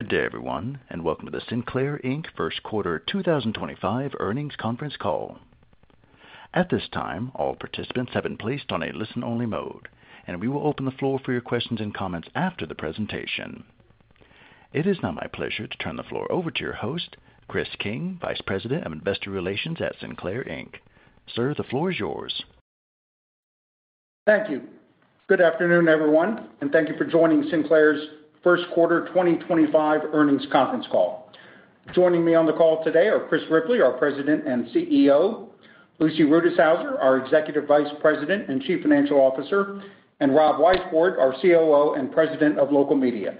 Good day, everyone, and welcome to the Sinclair First Quarter 2025 Earnings Conference Call. At this time, all participants have been placed on a listen-only mode, and we will open the floor for your questions and comments after the presentation. It is now my pleasure to turn the floor over to your host, Chris King, Vice President of Investor Relations at Sinclair Inc. Sir, the floor is yours. Thank you. Good afternoon, everyone, and thank you for joining Sinclair's First Quarter 2025 Earnings Conference Call. Joining me on the call today are Chris Ripley, our President and CEO, Lucy Rutishauser, our Executive Vice President and Chief Financial Officer, and Rob Weisbord, our COO and President of Local Media.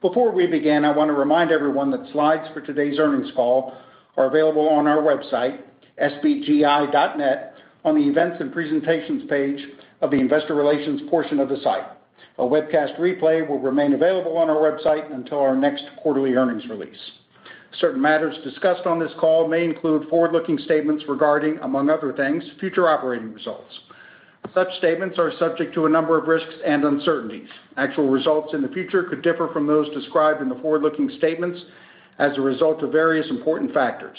Before we begin, I want to remind everyone that slides for today's earnings call are available on our website, sbgi.net, on the Events and Presentations page of the Investor Relations portion of the site. A webcast replay will remain available on our website until our next quarterly earnings release. Certain matters discussed on this call may include forward-looking statements regarding, among other things, future operating results. Such statements are subject to a number of risks and uncertainties. Actual results in the future could differ from those described in the forward-looking statements as a result of various important factors.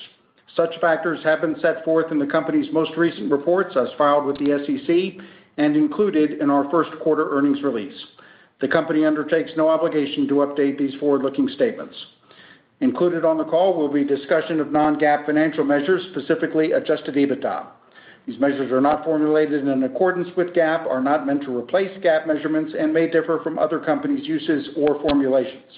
Such factors have been set forth in the company's most recent reports as filed with the SEC and included in our first quarter earnings release. The company undertakes no obligation to update these forward-looking statements. Included on the call will be discussion of non-GAAP financial measures, specifically adjusted EBITDA. These measures are not formulated in accordance with GAAP, are not meant to replace GAAP measurements, and may differ from other companies' uses or formulations.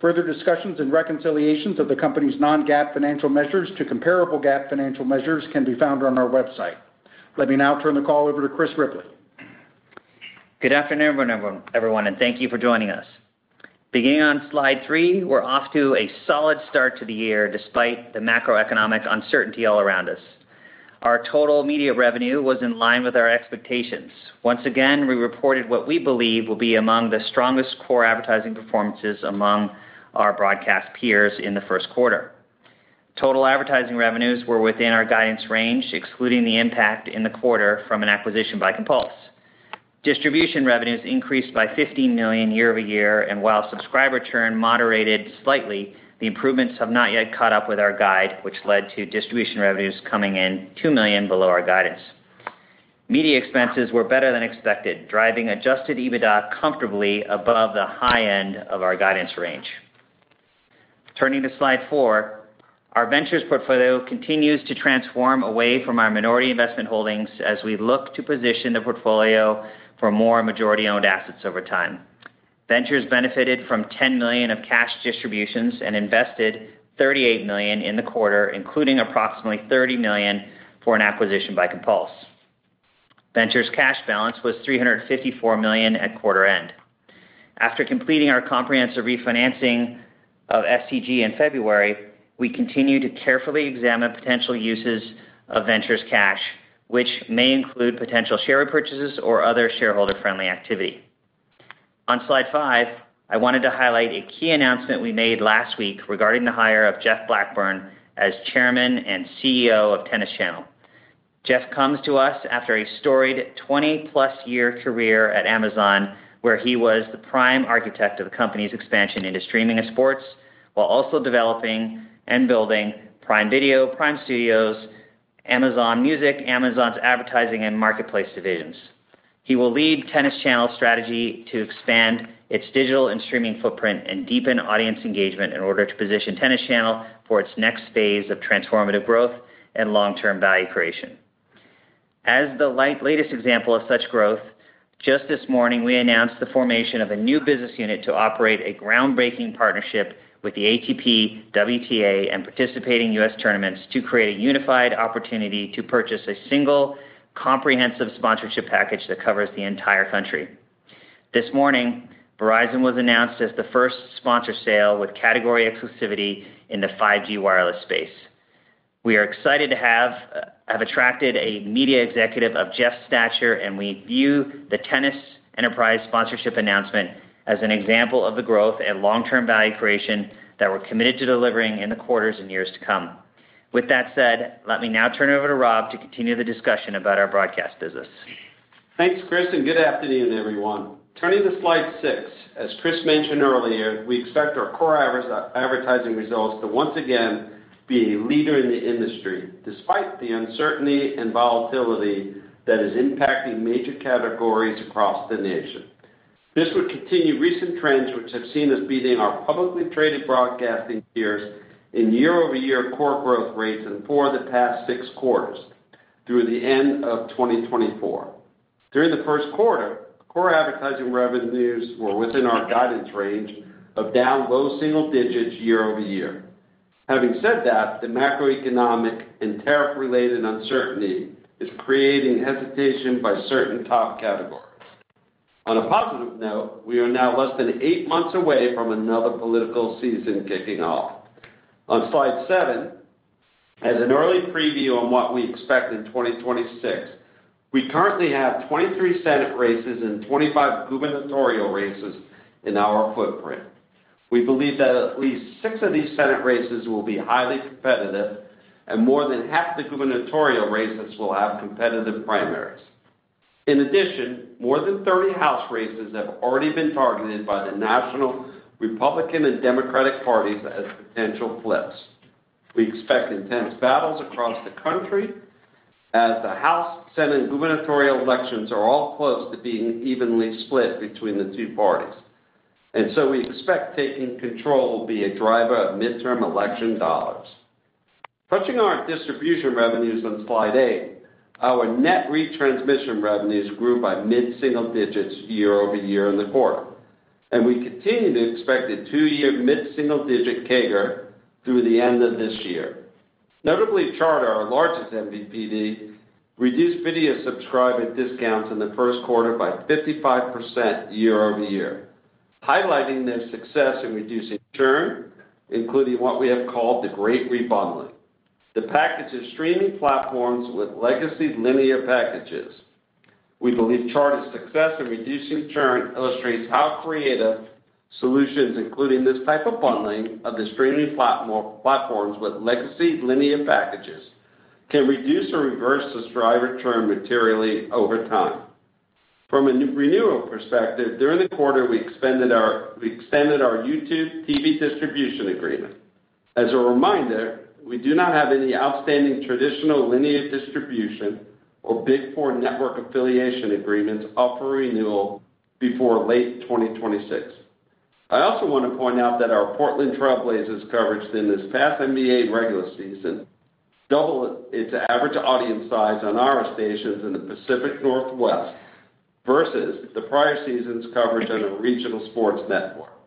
Further discussions and reconciliations of the company's non-GAAP financial measures to comparable GAAP financial measures can be found on our website. Let me now turn the call over to Chris Ripley. Good afternoon, everyone, and thank you for joining us. Beginning on slide three, we're off to a solid start to the year despite the macroeconomic uncertainty all around us. Our total media revenue was in line with our expectations. Once again, we reported what we believe will be among the strongest core advertising performances among our broadcast peers in the first quarter. Total advertising revenues were within our guidance range, excluding the impact in the quarter from an acquisition by Compulse. Distribution revenues increased by $15 million year-over-year, and while subscriber churn moderated slightly, the improvements have not yet caught up with our guide, which led to distribution revenues coming in $2 million below our guidance. Media expenses were better than expected, driving adjusted EBITDA comfortably above the high end of our guidance range. Turning to slide four, our ventures portfolio continues to transform away from our minority investment holdings as we look to position the portfolio for more majority-owned assets over time. Ventures benefited from $10 million of cash distributions and invested $38 million in the quarter, including approximately $30 million for an acquisition by Compulse. Ventures cash balance was $354 million at quarter end. After completing our comprehensive refinancing of SEG in February, we continue to carefully examine potential uses of ventures cash, which may include potential share repurchases or other shareholder-friendly activity. On slide five, I wanted to highlight a key announcement we made last week regarding the hire of Jeff Blackburn as Chairman and CEO of Tennis Channel. Jeff comes to us after a storied 20-plus year career at Amazon, where he was the prime architect of the company's expansion into streaming and sports, while also developing and building Prime Video, Prime Studios, Amazon Music, Amazon's advertising and marketplace divisions. He will lead Tennis Channel's strategy to expand its digital and streaming footprint and deepen audience engagement in order to position Tennis Channel for its next phase of transformative growth and long-term value creation. As the latest example of such growth, just this morning, we announced the formation of a new business unit to operate a groundbreaking partnership with the ATP, WTA, and participating U.S. tournaments to create a unified opportunity to purchase a single comprehensive sponsorship package that covers the entire country. This morning, Verizon was announced as the 1st sponsor sale with category exclusivity in the 5G wireless space. We are excited to have attracted a media executive of Jeff's stature, and we view the Tennis Enterprise sponsorship announcement as an example of the growth and long-term value creation that we're committed to delivering in the quarters and years to come. With that said, let me now turn it over to Rob to continue the discussion about our broadcast business. Thanks, Chris, and good afternoon, everyone. Turning to slide six, as Chris mentioned earlier, we expect our core advertising results to once again be a leader in the industry, despite the uncertainty and volatility that is impacting major categories across the nation. This would continue recent trends, which have seen us beating our publicly traded broadcasting peers in year-over-year core growth rates for the past six quarters through the end of 2024. During the first quarter, core advertising revenues were within our guidance range of down low single digits year-over-year. Having said that, the macroeconomic and tariff-related uncertainty is creating hesitation by certain top categories. On a positive note, we are now less than eight months away from another political season kicking off. On slide seven, as an early preview on what we expect in 2026, we currently have 23 Senate races and 25 gubernatorial races in our footprint. We believe that at least six of these Senate races will be highly competitive, and more than half the gubernatorial races will have competitive primaries. In addition, more than 30 House races have already been targeted by the national Republican and Democratic parties as potential flips. We expect intense battles across the country as the House, Senate, and gubernatorial elections are all close to being evenly split between the two parties. We expect taking control will be a driver of midterm election dollars. Touching our distribution revenues on slide eight, our net retransmission revenues grew by mid-single digits year-over-year in the quarter, and we continue to expect a two-year mid-single digit CAGR through the end of this year. Notably, Charter, our largest MVPD, reduced video subscriber discounts in the first quarter by 55% year-over-year, highlighting their success in reducing churn, including what we have called the great rebundling. The package is streaming platforms with legacy linear packages. We believe Charter's success in reducing churn illustrates how creative solutions, including this type of bundling of the streaming platforms with legacy linear packages, can reduce or reverse subscriber churn materially over time. From a renewal perspective, during the quarter, we extended our YouTube TV distribution agreement. As a reminder, we do not have any outstanding traditional linear distribution or Big Four network affiliation agreements up for renewal before late 2026. I also want to point out that our Portland Trail Blazers coverage in this past NBA regular season doubled its average audience size on our stations in the Pacific Northwest versus the prior season's coverage on a regional sports network,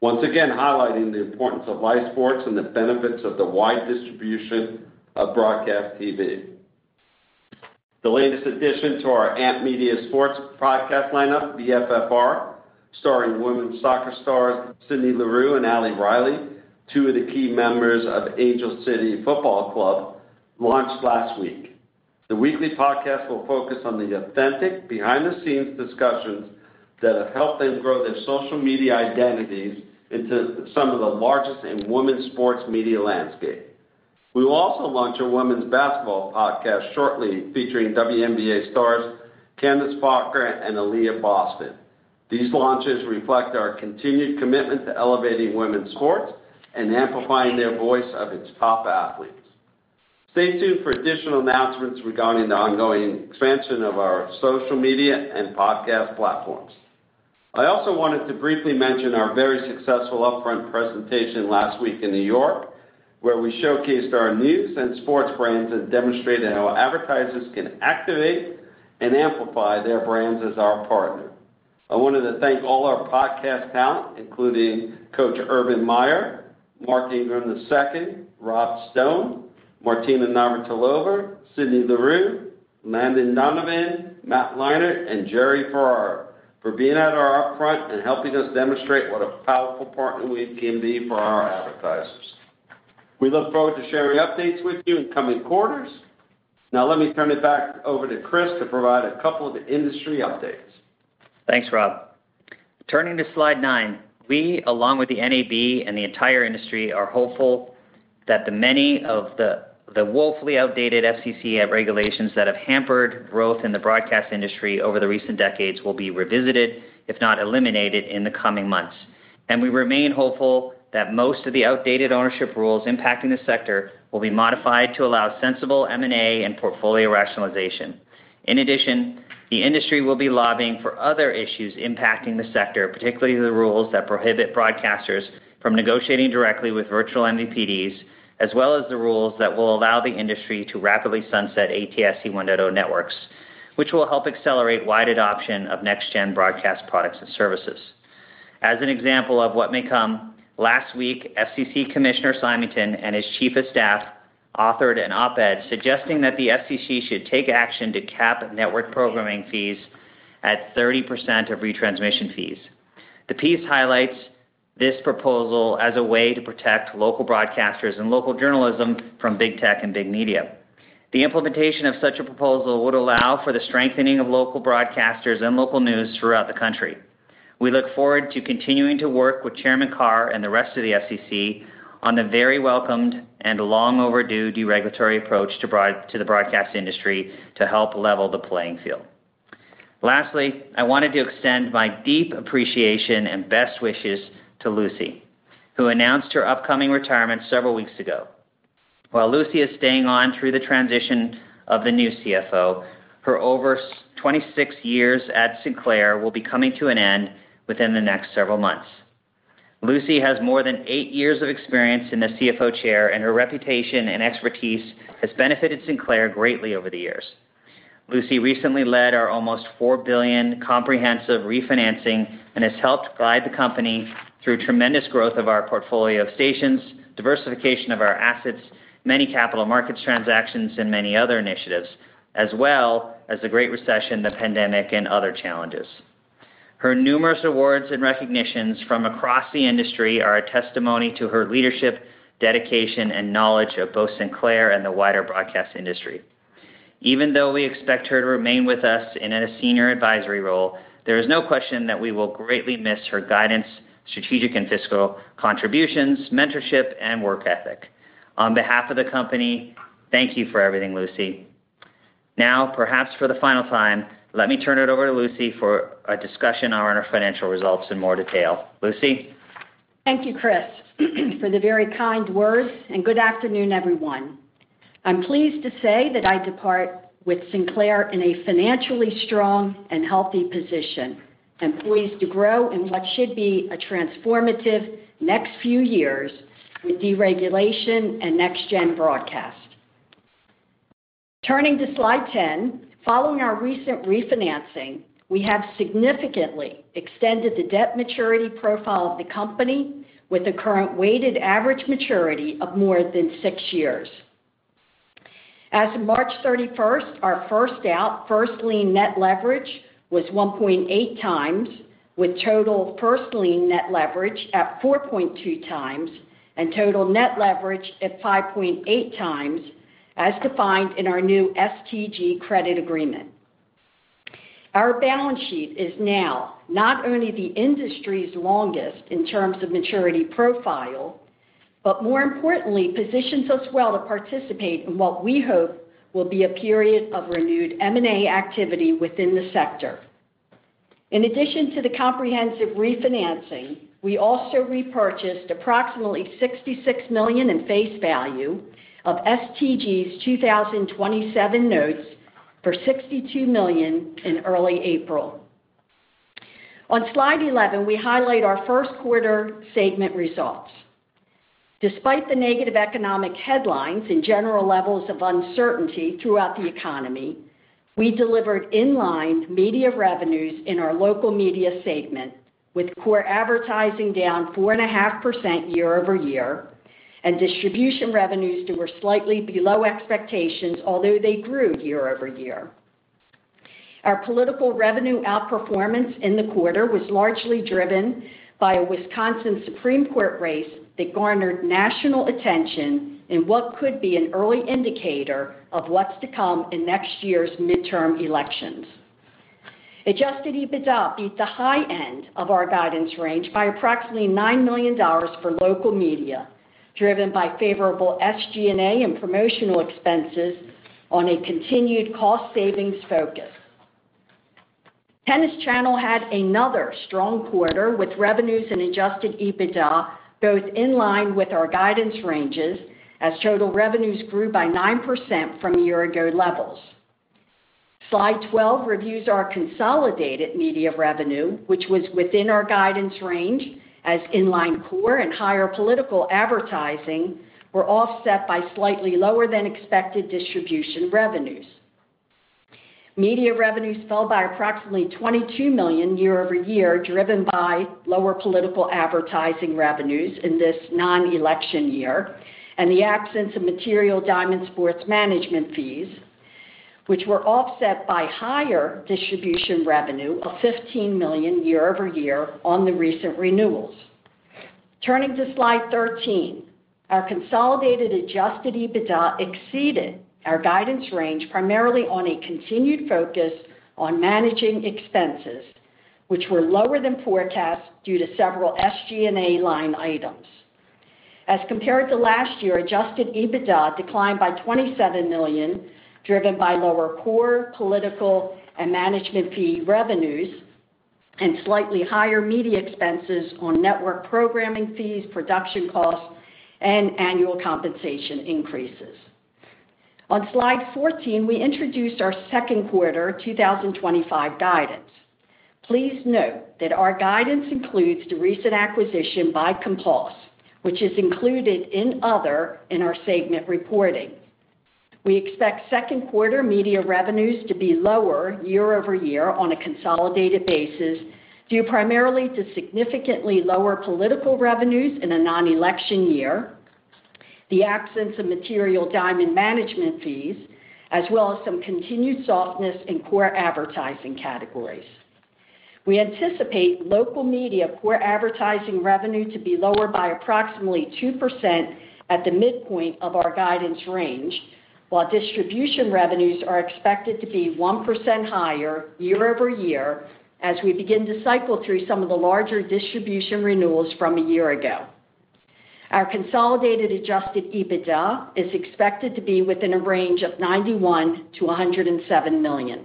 once again highlighting the importance of live sports and the benefits of the wide distribution of broadcast TV. The latest addition to our AMP Media Sports podcast lineup, the FFR, starring women's soccer stars Sydney Rae Leroux and Ali Riley, two of the key members of Angel City Football Club, launched last week. The weekly podcast will focus on the authentic behind-the-scenes discussions that have helped them grow their social media identities into some of the largest in the women's sports media landscape. We will also launch a women's basketball podcast shortly featuring WNBA stars Candace Parker and Aliyah Boston. These launches reflect our continued commitment to elevating women's sports and amplifying the voice of its top athletes. Stay tuned for additional announcements regarding the ongoing expansion of our social media and podcast platforms. I also wanted to briefly mention our very successful upfront presentation last week in New York, where we showcased our news and sports brands and demonstrated how advertisers can activate and amplify their brands as our partner. I wanted to thank all our podcast talent, including Coach Urban Meyer, Mark Ingram II, Rob Stone, Martina Navratilova, Sydney Rae Leroux, Landon Donovan, Matt Leinart, and Jerry Ferrara for being at our upfront and helping us demonstrate what a powerful partner we can be for our advertisers. We look forward to sharing updates with you in coming quarters. Now, let me turn it back over to Chris to provide a couple of industry updates. Thanks, Rob. Turning to slide nine, we, along with the NAB and the entire industry, are hopeful that many of the woefully outdated FCC regulations that have hampered growth in the broadcast industry over the recent decades will be revisited, if not eliminated, in the coming months. We remain hopeful that most of the outdated ownership rules impacting the sector will be modified to allow sensible M&A and portfolio rationalization. In addition, the industry will be lobbying for other issues impacting the sector, particularly the rules that prohibit broadcasters from negotiating directly with virtual MVPDs, as well as the rules that will allow the industry to rapidly sunset ATSC 1.0 networks, which will help accelerate wide adoption of next-gen broadcast products and services. As an example of what may come, last week, FCC Commissioner Simington and his chief of staff authored an op-ed suggesting that the FCC should take action to cap network programming fees at 30% of retransmission fees. The piece highlights this proposal as a way to protect local broadcasters and local journalism from big tech and big media. The implementation of such a proposal would allow for the strengthening of local broadcasters and local news throughout the country. We look forward to continuing to work with Chairman Carr and the rest of the FCC on the very welcomed and long-overdue deregulatory approach to the broadcast industry to help level the playing field. Lastly, I wanted to extend my deep appreciation and best wishes to Lucy, who announced her upcoming retirement several weeks ago. While Lucy is staying on through the transition of the new CFO, her over 26 years at Sinclair will be coming to an end within the next several months. Lucy has more than eight years of experience in the CFO chair, and her reputation and expertise have benefited Sinclair greatly over the years. Lucy recently led our almost $4 billion comprehensive refinancing and has helped guide the company through tremendous growth of our portfolio of stations, diversification of our assets, many capital markets transactions, and many other initiatives, as well as the Great Recession, the pandemic, and other challenges. Her numerous awards and recognitions from across the industry are a testimony to her leadership, dedication, and knowledge of both Sinclair and the wider broadcast industry. Even though we expect her to remain with us in a senior advisory role, there is no question that we will greatly miss her guidance, strategic and fiscal contributions, mentorship, and work ethic. On behalf of the company, thank you for everything, Lucy. Now, perhaps for the final time, let me turn it over to Lucy for a discussion on our financial results in more detail. Lucy? Thank you, Chris, for the very kind words, and good afternoon, everyone. I'm pleased to say that I depart with Sinclair in a financially strong and healthy position and pleased to grow in what should be a transformative next few years with deregulation and next-gen broadcast. Turning to slide ten, following our recent refinancing, we have significantly extended the debt maturity profile of the company with a current weighted average maturity of more than six years. As of March 31st, our 1st-out, 1st-lien net leverage was 1.8 times, with total 1st-lien net leverage at 4.2 times and total net leverage at 5.8 times, as defined in our new STG credit agreement. Our balance sheet is now not only the industry's longest in terms of maturity profile, but more importantly, positions us well to participate in what we hope will be a period of renewed M&A activity within the sector. In addition to the comprehensive refinancing, we also repurchased approximately $66 million in face value of STG's 2027 notes for $62 million in early April. On slide 11, we highlight our first quarter segment results. Despite the negative economic headlines and general levels of uncertainty throughout the economy, we delivered inline media revenues in our local media segment, with core advertising down 4.5% year-over-year, and distribution revenues that were slightly below expectations, although they grew year-over-year. Our political revenue outperformance in the quarter was largely driven by a Wisconsin Supreme Court race that garnered national attention in what could be an early indicator of what's to come in next year's midterm elections. Adjusted EBITDA beat the high end of our guidance range by approximately $9 million for local media, driven by favorable SG&A and promotional expenses on a continued cost savings focus. Tennis Channel had another strong quarter with revenues and adjusted EBITDA both in line with our guidance ranges as total revenues grew by 9% from year-ago levels. Slide 12 reviews our consolidated media revenue, which was within our guidance range, as inline core and higher political advertising were offset by slightly lower-than-expected distribution revenues. Media revenues fell by approximately $22 million year-over-year, driven by lower political advertising revenues in this non-election year and the absence of material Diamond Sports management fees, which were offset by higher distribution revenue of $15 million year-over-year on the recent renewals. Turning to slide 13, our consolidated adjusted EBITDA exceeded our guidance range primarily on a continued focus on managing expenses, which were lower than forecast due to several SG&A line items. As compared to last year, adjusted EBITDA declined by $27 million, driven by lower core political, and management fee revenues, and slightly higher media expenses on network programming fees, production costs, and annual compensation increases. On slide 14, we introduced our second quarter 2025 guidance. Please note that our guidance includes the recent acquisition by Compulse, which is included in other in our segment reporting. We expect second quarter media revenues to be lower year-over-year on a consolidated basis due primarily to significantly lower political revenues in a non-election year, the absence of material Diamond management fees, as well as some continued softness in core advertising categories. We anticipate local media core advertising revenue to be lower by approximately 2% at the midpoint of our guidance range, while distribution revenues are expected to be 1% higher year-over-year as we begin to cycle through some of the larger distribution renewals from a year ago. Our consolidated adjusted EBITDA is expected to be within a range of $91 million-$107 million.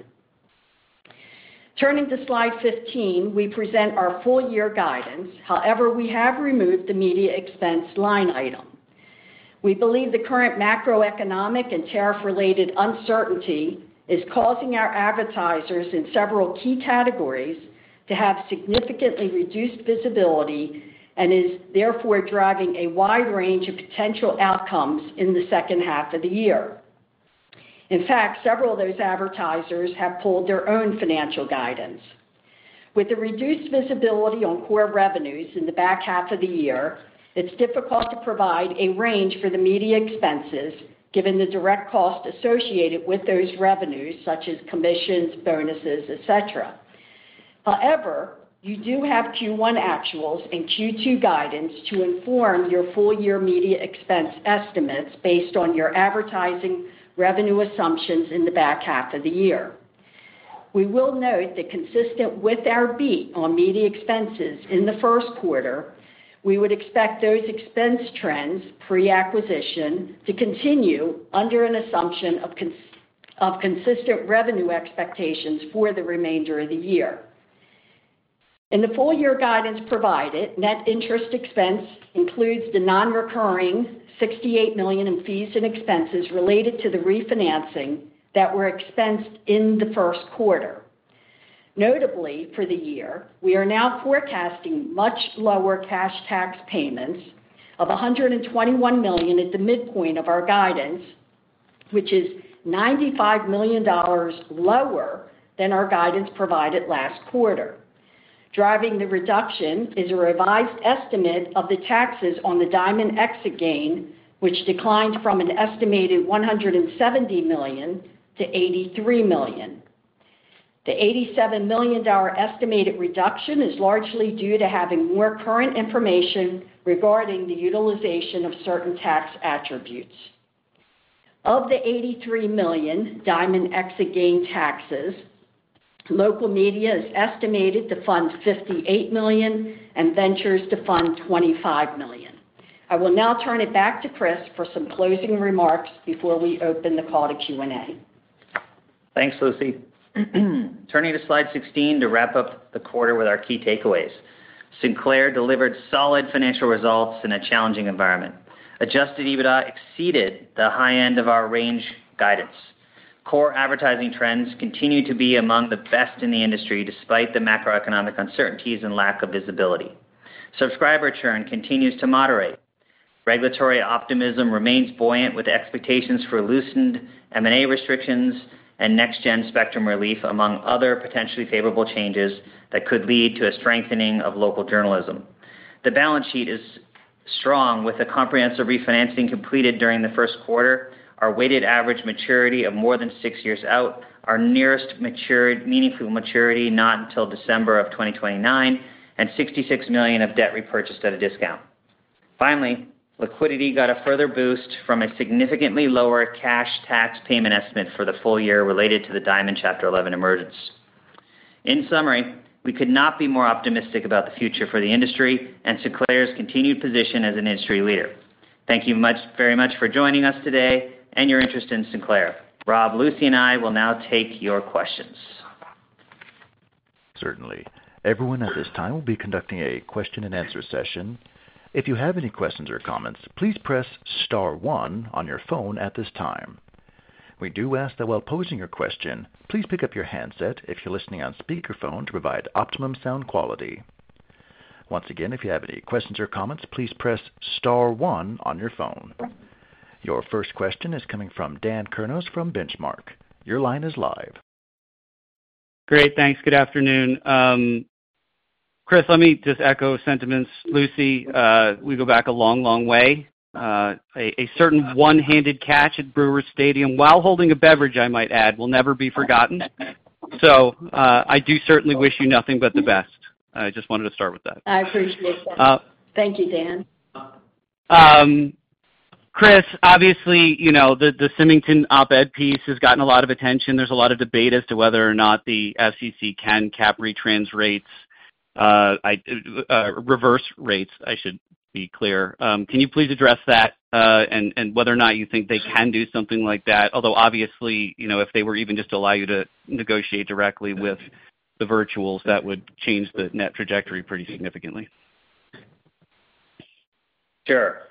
Turning to slide 15, we present our full-year guidance. However, we have removed the media expense line item. We believe the current macroeconomic and tariff-related uncertainty is causing our advertisers in several key categories to have significantly reduced visibility, and is therefore driving a wide range of potential outcomes in the 2nd half of the year. In fact, several of those advertisers have pulled their own financial guidance. With the reduced visibility on core revenues in the back half of the year, it's difficult to provide a range for the media expenses given the direct cost associated with those revenues, such as commissions, bonuses, etc. However, you do have Q1 actuals and Q2 guidance to inform your full-year media expense estimates based on your advertising revenue assumptions in the back half of the year. We will note that consistent with our beat on media expenses in the first quarter, we would expect those expense trends pre-acquisition to continue under an assumption of consistent revenue expectations for the remainder of the year. In the full-year guidance provided, net interest expense includes the non-recurring $68 million in fees and expenses related to the refinancing that were expensed in the first quarter. Notably, for the year, we are now forecasting much lower cash tax payments of $121 million at the midpoint of our guidance, which is $95 million lower than our guidance provided last quarter. Driving the reduction is a revised estimate of the taxes on the Diamond exit gain, which declined from an estimated $170 million-$83 million. The $87 million estimated reduction is largely due to having more current information regarding the utilization of certain tax attributes. Of the $83 million Diamond exit gain taxes, local media is estimated to fund $58 million and ventures to fund $25 million. I will now turn it back to Chris for some closing remarks before we open the call to Q&A. Thanks, Lucy. Turning to slide 16 to wrap up the quarter with our key takeaways. Sinclair delivered solid financial results in a challenging environment. Adjusted EBITDA exceeded the high end of our range guidance. Core advertising trends continue to be among the best in the industry despite the macroeconomic uncertainties and lack of visibility. Subscriber churn continues to moderate. Regulatory optimism remains buoyant with expectations for loosened M&A restrictions and next-gen spectrum relief, among other potentially favorable changes that could lead to a strengthening of local journalism. The balance sheet is strong with a comprehensive refinancing completed during the first quarter, our weighted average maturity of more than six years out, our nearest meaningful maturity not until December of 2029, and $66 million of debt repurchased at a discount. Finally, liquidity got a further boost from a significantly lower cash tax payment estimate for the full year related to the Diamond Chapter 11 emergence. In summary, we could not be more optimistic about the future for the industry and Sinclair's continued position as an industry leader. Thank you very much for joining us today and your interest in Sinclair. Rob, Lucy, and I will now take your questions. Certainly. Everyone at this time will be conducting a question-and-answer session. If you have any questions or comments, please press star one on your phone at this time. We do ask that while posing your question, please pick up your handset if you're listening on speakerphone to provide optimum sound quality. Once again, if you have any questions or comments, please press star one on your phone. Your 1st question is coming from Dan Kurnos from Benchmark. Your line is live. Great. Thanks. Good afternoon. Chris, let me just echo sentiments. Lucy, we go back a long, long way. A certain one-handed catch at Brewer's Stadium while holding a beverage, I might add, will never be forgotten. I do certainly wish you nothing but the best. I just wanted to start with that. I appreciate that. Thank you, Dan. Chris, obviously, the Simington Op-Ed piece has gotten a lot of attention. There is a lot of debate as to whether or not the FCC can cap retrans rates, reverse rates, I should be clear. Can you please address that and whether or not you think they can do something like that? Although, obviously, if they were even just to allow you to negotiate directly with the virtuals, that would change the net trajectory pretty significantly. Sure.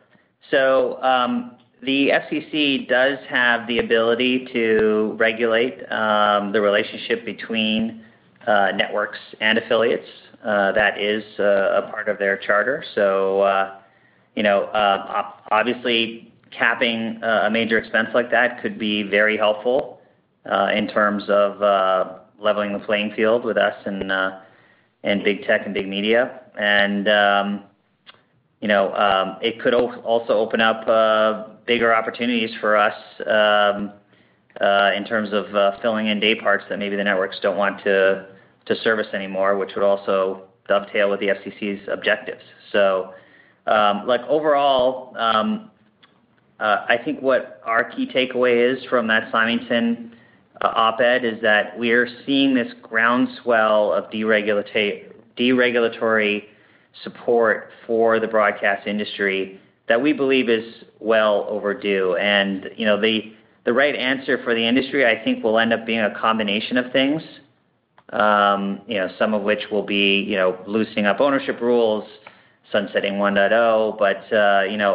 The FCC does have the ability to regulate the relationship between networks and affiliates. That is a part of their charter. Obviously, capping a major expense like that could be very helpful in terms of leveling the playing field with us and big tech and big media. It could also open up bigger opportunities for us in terms of filling in day parts that maybe the networks do not want to service anymore, which would also dovetail with the FCC's objectives. Overall, I think what our key takeaway is from that Simington Op-Ed is that we are seeing this groundswell of deregulatory support for the broadcast industry that we believe is well overdue. The right answer for the industry, I think, will end up being a combination of things, some of which will be loosening up ownership rules, sunsetting 1.0, but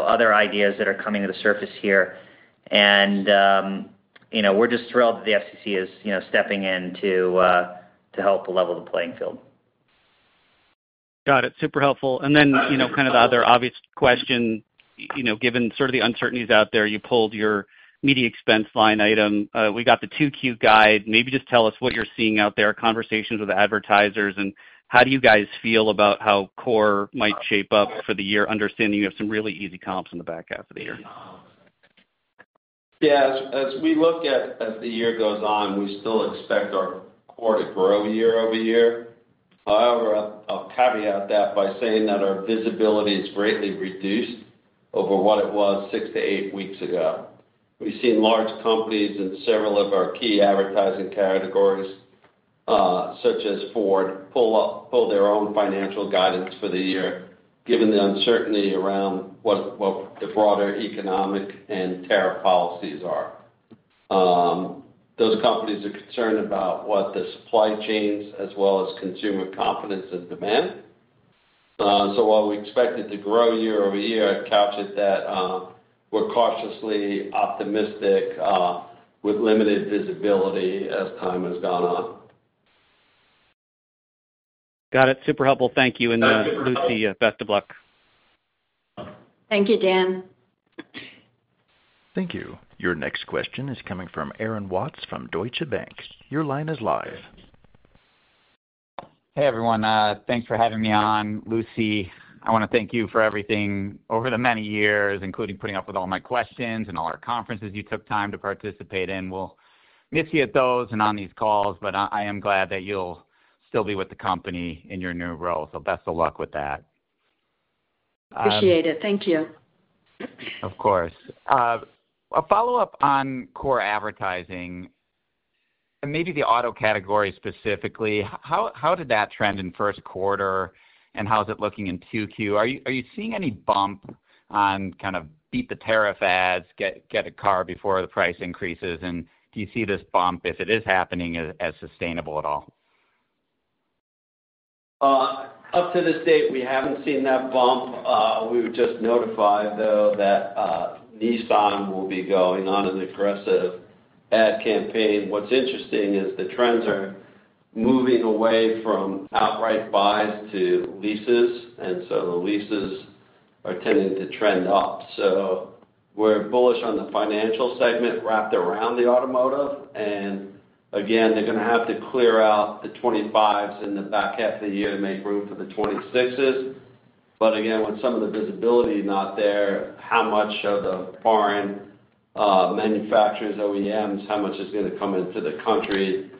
other ideas that are coming to the surface here. We are just thrilled that the FCC is stepping in to help level the playing field. Got it. Super helpful. Kind of the other obvious question, given sort of the uncertainties out there, you pulled your media expense line item. We got the 2Q guide. Maybe just tell us what you're seeing out there, conversations with advertisers, and how do you guys feel about how core might shape up for the year, understanding you have some really easy comps in the back half of the year? Yeah. As we look at as the year goes on, we still expect our core to grow year-over-year. However, I'll caveat that by saying that our visibility is greatly reduced over what it was six to eight weeks ago. We've seen large companies in several of our key advertising categories, such as Ford, pull their own financial guidance for the year, given the uncertainty around what the broader economic and tariff policies are. Those companies are concerned about what the supply chains as well as consumer confidence and demand. While we expect it to grow year-over-year, I couch it that we're cautiously optimistic with limited visibility as time has gone on. Got it. Super helpful. Thank you. Lucy, best of luck. Thank you, Dan. Thank you. Your next question is coming from Aaron Watts from Deutsche Bank. Your line is live. Hey, everyone. Thanks for having me on. Lucy, I want to thank you for everything over the many years, including putting up with all my questions and all our conferences you took time to participate in. We'll miss you at those and on these calls, but I am glad that you'll still be with the company in your new role. Best of luck with that. Appreciate it. Thank you. Of course. A follow-up on core advertising and maybe the auto category specifically. How did that trend in first quarter, and how is it looking in 2Q? Are you seeing any bump on kind of beat the tariff ads, get a car before the price increases? And do you see this bump, if it is happening, as sustainable at all? Up to this date, we haven't seen that bump. We were just notified, though, that Nissan will be going on an aggressive ad campaign. What's interesting is the trends are moving away from outright buys to leases, and the leases are tending to trend up. We're bullish on the financial segment wrapped around the automotive. Again, they're going to have to clear out the 25s in the back half of the year to make room for the 26s. Again, with some of the visibility not there, how much of the foreign manufacturers, OEMs, how much is going to come into the country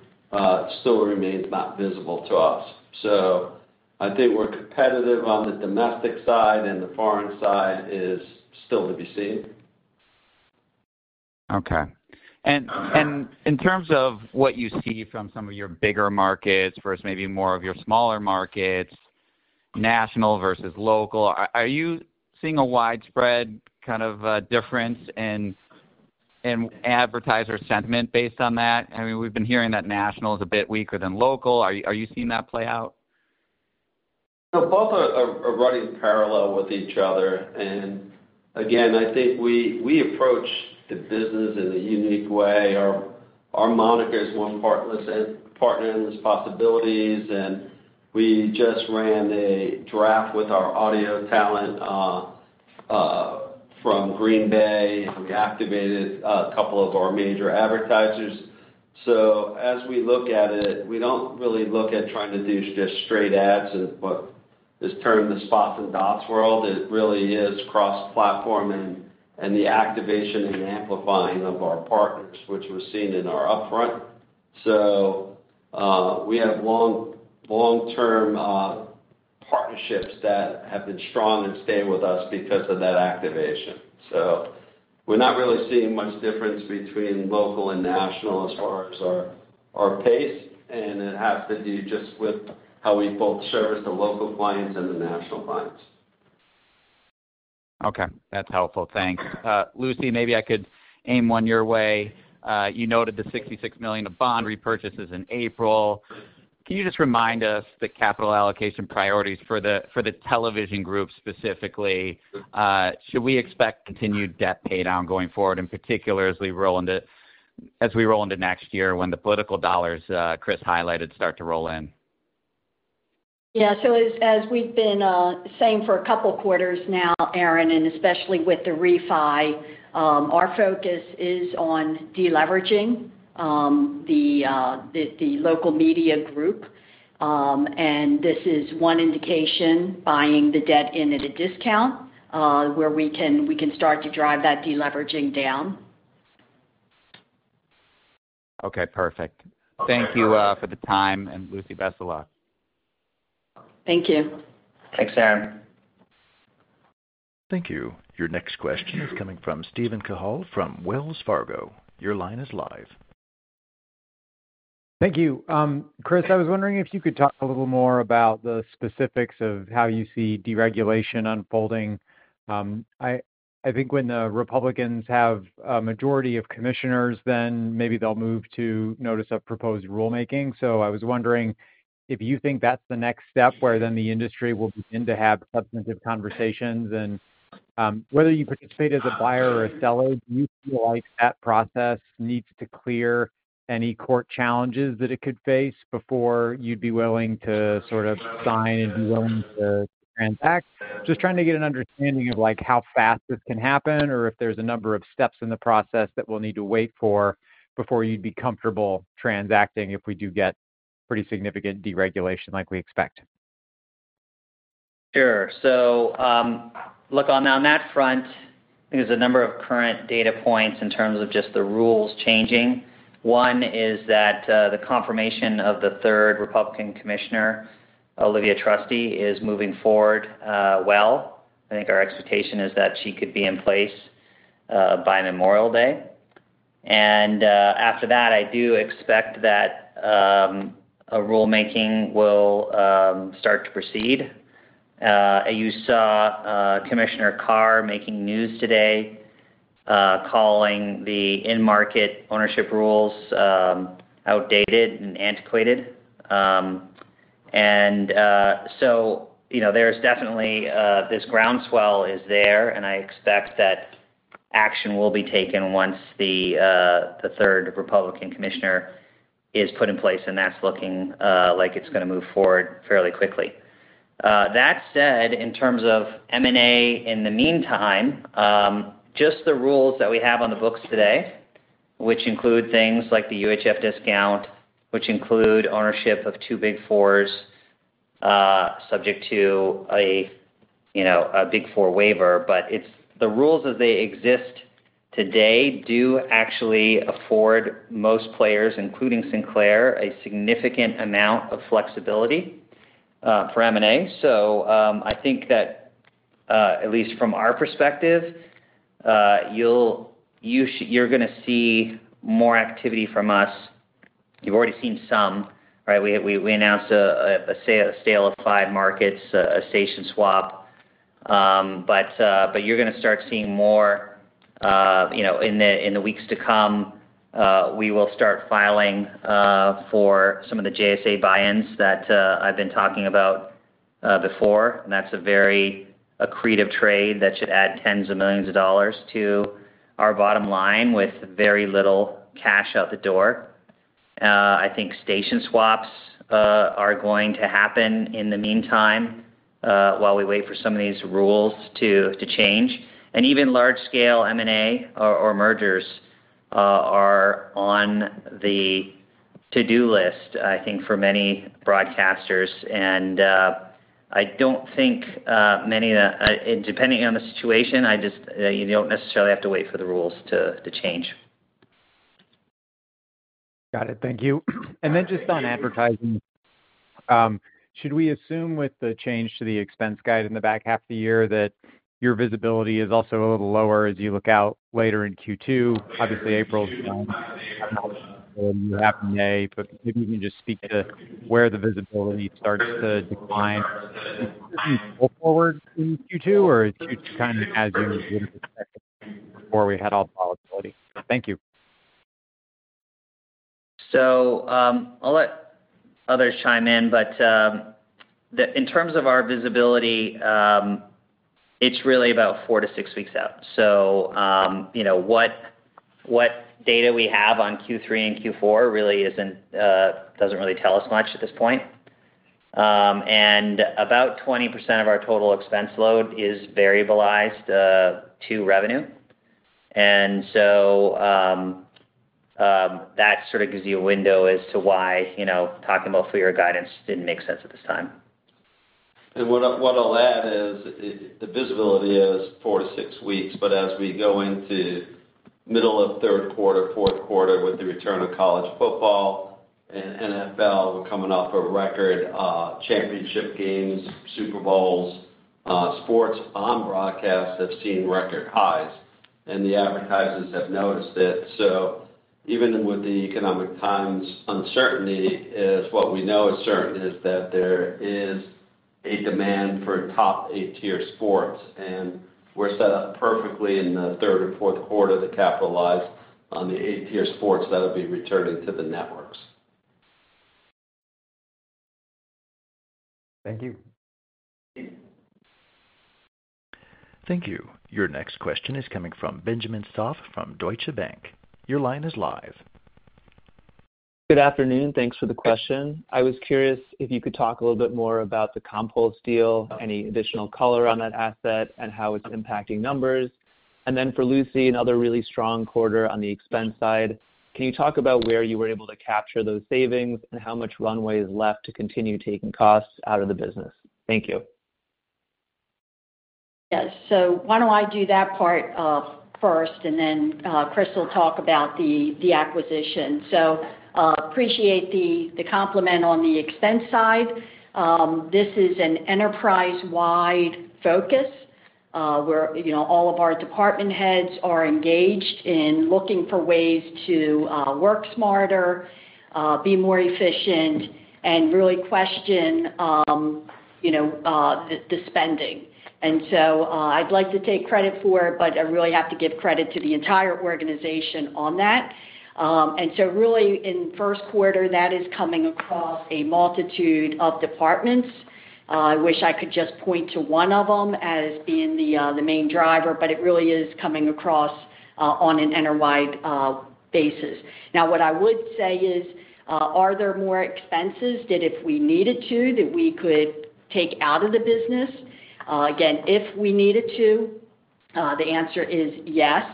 still remains not visible to us. I think we're competitive on the domestic side, and the foreign side is still to be seen. Okay. In terms of what you see from some of your bigger markets versus maybe more of your smaller markets, national versus local, are you seeing a widespread kind of difference in advertiser sentiment based on that? I mean, we've been hearing that national is a bit weaker than local. Are you seeing that play out? No, both are running parallel with each other. Again, I think we approach the business in a unique way. Our moniker is One Partners and Possibilities, and we just ran a draft with our audio talent from Green Bay. We activated a couple of our major advertisers. As we look at it, we do not really look at trying to do just straight ads in what is termed the spots and dots world. It really is cross-platform and the activation and amplifying of our partners, which we are seeing in our upfront. We have long-term partnerships that have been strong and stay with us because of that activation. We are not really seeing much difference between local and national as far as our pace, and it has to do just with how we both service the local clients and the national clients. Okay. That's helpful. Thanks. Lucy, maybe I could aim one your way. You noted the $66 million of bond repurchases in April. Can you just remind us the capital allocation priorities for the television group specifically? Should we expect continued debt paydown going forward, in particular, as we roll into next year when the political dollars Chris highlighted start to roll in? Yeah. As we've been saying for a couple of quarters now, Aaron, and especially with the refi, our focus is on deleveraging the local media group. This is one indication: buying the debt in at a discount where we can start to drive that deleveraging down. Okay. Perfect. Thank you for the time. And, Lucy, best of luck. Thank you. Thanks, Aaron. Thank you. Your next question is coming from Steven Cahall from Wells Fargo. Your line is live. Thank you. Chris, I was wondering if you could talk a little more about the specifics of how you see deregulation unfolding. I think when the Republicans have a majority of commissioners, then maybe they'll move to notice of proposed rulemaking. I was wondering if you think that's the next step where the industry will begin to have substantive conversations. Whether you participate as a buyer or a seller, do you feel like that process needs to clear any court challenges that it could face before you'd be willing to sort of sign and be willing to transact? Just trying to get an understanding of how fast this can happen or if there's a number of steps in the process that we'll need to wait for before you'd be comfortable transacting if we do get pretty significant deregulation like we expect. Sure. Look, on that front, there's a number of current data points in terms of just the rules changing. One is that the confirmation of the 3rd Republican commissioner, Olivia Trusty, is moving forward well. I think our expectation is that she could be in place by Memorial Day. After that, I do expect that rulemaking will start to proceed. You saw Commissioner Carr making news today calling the in-market ownership rules outdated and antiquated. There's definitely this groundswell is there, and I expect that action will be taken once the 3rd Republican commissioner is put in place, and that's looking like it's going to move forward fairly quickly. That said, in terms of M&A in the meantime, just the rules that we have on the books today, which include things like the UHF discount, which include ownership of two Big Fours, subject to a Big Four waiver. The rules as they exist today do actually afford most players, including Sinclair, a significant amount of flexibility for M&A. I think that, at least from our perspective, you're going to see more activity from us. You've already seen some, right? We announced a sale of five markets, a station swap. You're going to start seeing more in the weeks to come. We will start filing for some of the JSA buy-ins that I've been talking about before. That's a very accretive trade that should add tens of millions of dollars to our bottom line with very little cash out the door. I think station swaps are going to happen in the meantime while we wait for some of these rules to change. Even large-scale M&A or mergers are on the to-do list, I think, for many broadcasters. I don't think many of the, depending on the situation, you don't necessarily have to wait for the rules to change. Got it. Thank you. Then just on advertising, should we assume with the change to the expense guide in the back half of the year that your visibility is also a little lower as you look out later in Q2? Obviously, April is fine. You have M&A, but maybe you can just speak to where the visibility starts to decline. Do you go forward in Q2, or is Q2 kind of as you would expect before we had all the volatility? Thank you. I'll let others chime in. In terms of our visibility, it's really about four to six weeks out. What data we have on Q3 and Q4 really does not really tell us much at this point. About 20% of our total expense load is variabilized to revenue, and that sort of gives you a window as to why talking about FERA guidance did not make sense at this time. What I'll add is the visibility is four to six weeks. As we go into the middle of third quarter, fourth quarter, with the return of college football and NFL, we're coming off of record championship games, Super Bowls. Sports on broadcast have seen record highs, and the advertisers have noticed it. Even with the economic times, uncertainty is what we know is certain is that there is a demand for top eight-tier sports. We're set up perfectly in the third and fourth quarter to capitalize on the eight-tier sports that will be returning to the networks. Thank you. Thank you. Your next question is coming from Benjamin Soff from Deutsche Bank. Your line is live. Good afternoon. Thanks for the question. I was curious if you could talk a little bit more about the Compulse deal, any additional color on that asset, and how it's impacting numbers. For Lucy, another really strong quarter on the expense side, can you talk about where you were able to capture those savings and how much runway is left to continue taking costs out of the business? Thank you. Yes. Why don't I do that part 1st, and then Chris will talk about the acquisition. I appreciate the compliment on the expense side. This is an enterprise-wide focus where all of our department heads are engaged in looking for ways to work smarter, be more efficient, and really question the spending. I would like to take credit for it, but I really have to give credit to the entire organization on that. Really, in first quarter, that is coming across a multitude of departments. I wish I could just point to one of them as being the main driver, but it really is coming across on an enterprise-wide basis. What I would say is, are there more expenses that if we needed to, that we could take out of the business? Again, if we needed to, the answer is yes.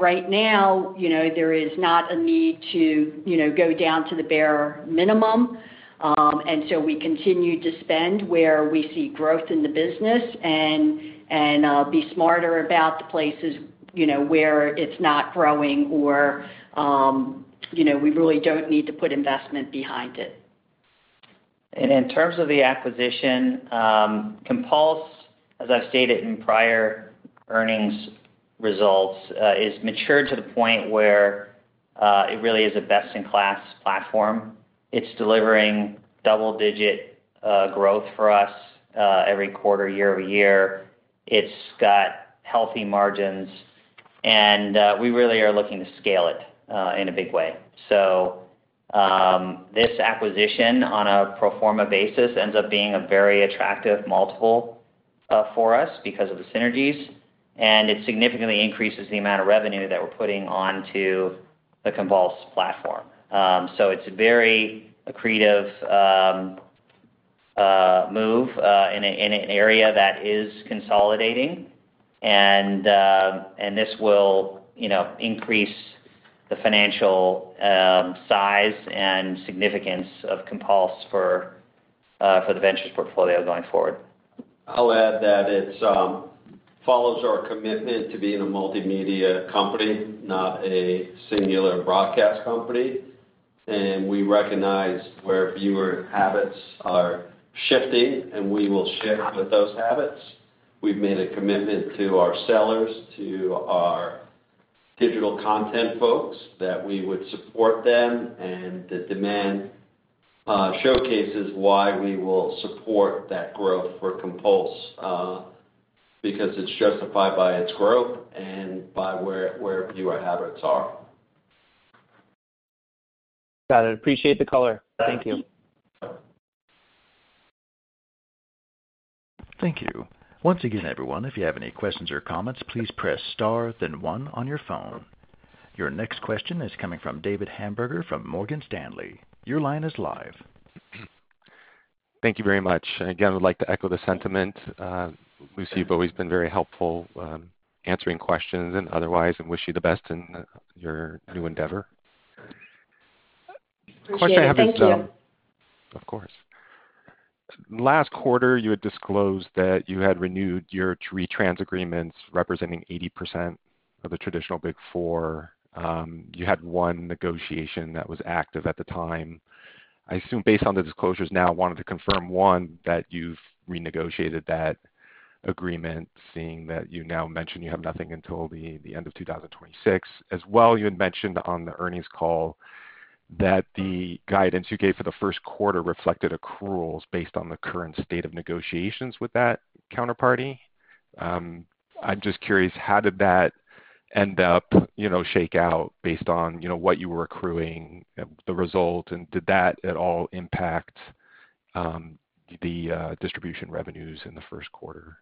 Right now, there is not a need to go down to the bare minimum. We continue to spend where we see growth in the business and be smarter about the places where it's not growing or we really don't need to put investment behind it. In terms of the acquisition, Compulse, as I've stated in prior earnings results, is matured to the point where it really is a best-in-class platform. It's delivering double-digit growth for us every quarter, year-over-year. It's got healthy margins, and we really are looking to scale it in a big way. This acquisition on a pro forma basis ends up being a very attractive multiple for us because of the synergies, and it significantly increases the amount of revenue that we're putting onto the Compulse platform. It's a very accretive move in an area that is consolidating, and this will increase the financial size and significance of Compulse for the ventures portfolio going forward. I'll add that it follows our commitment to being a multimedia company, not a singular broadcast company. We recognize where viewer habits are shifting, and we will shift with those habits. We've made a commitment to our sellers, to our digital content folks, that we would support them. The demand showcases why we will support that growth for Compulse because it's justified by its growth and by where viewer habits are. Got it. Appreciate the color. Thank you. Thank you. Once again, everyone, if you have any questions or comments, please press star, then one on your phone. Your next question is coming from David Hamburger from Morgan Stanley. Your line is live. Thank you very much. Again, I'd like to echo the sentiment. Lucy, you've always been very helpful answering questions and otherwise, and wish you the best in your new endeavor. Of course, I have a— Of course. Last quarter, you had disclosed that you had renewed your three trans agreements representing 80% of the traditional Big Four. You had one negotiation that was active at the time. I assume, based on the disclosures now, I wanted to confirm, one, that you've renegotiated that agreement, seeing that you now mentioned you have nothing until the end of 2026. As well, you had mentioned on the earnings call that the guidance you gave for the first quarter reflected accruals based on the current state of negotiations with that counterparty. I'm just curious, how did that end up shake out based on what you were accruing, the result? Did that at all impact the distribution revenues in the first quarter?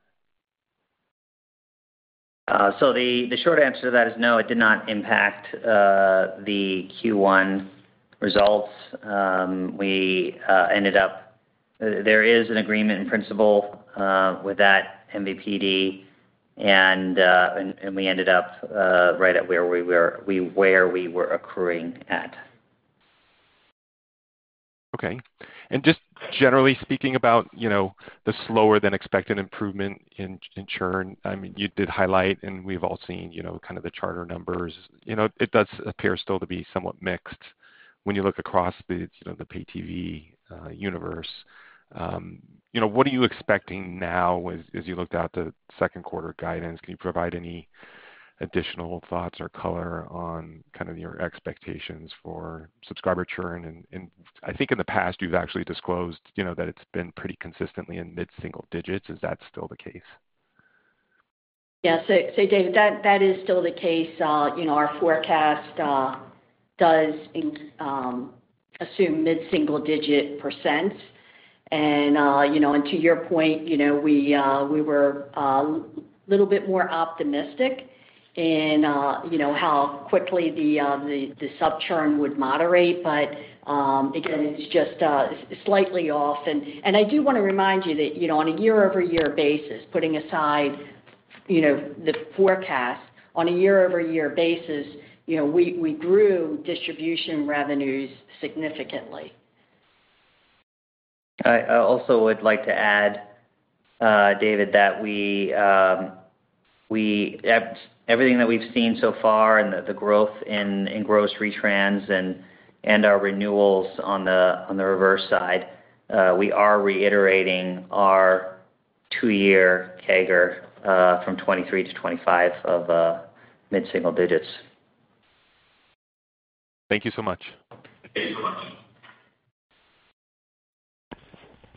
The short answer to that is no, it did not impact the Q1 results. We ended up, there is an agreement in principle with that MVPD, and we ended up right at where we were accruing at. Okay. And just generally speaking about the slower-than-expected improvement in churn, I mean, you did highlight, and we've all seen kind of the Charter numbers. It does appear still to be somewhat mixed when you look across the PTV universe. What are you expecting now as you looked at the second quarter guidance? Can you provide any additional thoughts or color on kind of your expectations for subscriber churn? I think in the past, you've actually disclosed that it's been pretty consistently in mid-single digits. Is that still the case? Yeah. David, that is still the case. Our forecast does assume mid-single-digit percent. To your point, we were a little bit more optimistic in how quickly the subchurn would moderate. Again, it is just slightly off. I do want to remind you that on a year-over-year basis, putting aside the forecast, on a year-over-year basis, we grew distribution revenues significantly. I also would like to add, David, that everything that we've seen so far and the growth in gross retrans and our renewals on the reverse side, we are reiterating our two-year CAGR from 2023 to 2025 of mid-single digits. Thank you so much. Thank you so much.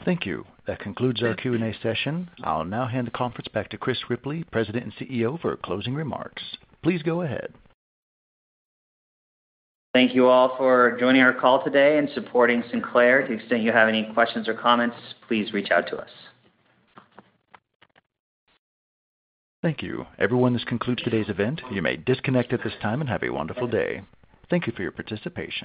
Thank you. That concludes our Q&A session. I'll now hand the conference back to Chris Ripley, President and CEO, for closing remarks. Please go ahead. Thank you all for joining our call today and supporting Sinclair. To the extent you have any questions or comments, please reach out to us. Thank you. Everyone, this concludes today's event. You may disconnect at this time and have a wonderful day. Thank you for your participation.